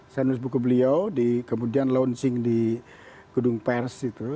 saya nulis buku beliau kemudian launching di gedung pers itu